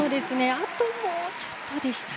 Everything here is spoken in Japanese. あともうちょっとでした